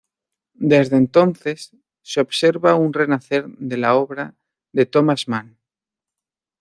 Desde entonces, se observa un renacer de la obra de Thomas Mann.